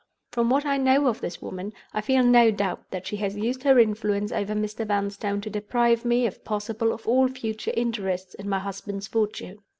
From what I know of this woman, I feel no doubt that she has used her influence over Mr. Vanstone to deprive me, if possible, of all future interests in my husband's fortune.